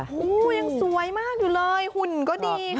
ยังสวยมากอยู่เลยหุ่นก็ดีค่ะ